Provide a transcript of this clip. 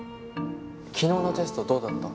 昨日のテストどうだった？